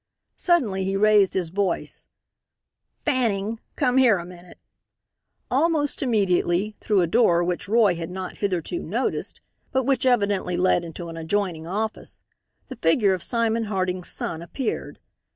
Suddenly he raised his voice: "Fanning! Come here a minute." Almost immediately, through a door which Roy had not hitherto noticed, but which evidently led into an adjoining office, the figure of Simon Harding's son appeared.